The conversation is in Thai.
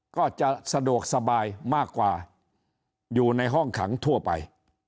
ก็จะสะดวกสบายมากกว่าอยู่ในห้องขังทั่วไป